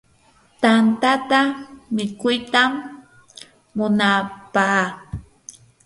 tantata mikuytam munapaa.